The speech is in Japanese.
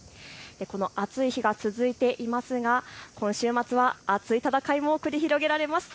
暑い日が続いていますが、週末は熱い戦いも繰り広げられます。